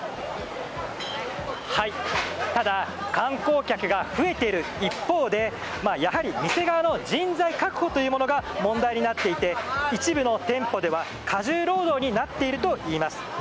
ただ観光客が増えている一方でやはり店側の人材確保が問題になっていて一部の店舗では過重労働になっているといいます。